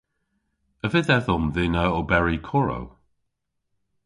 A vydh edhom dhyn a oberi korow?